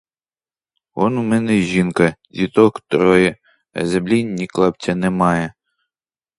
Он у мене жінка, діток троє, а землі ні клаптя немає.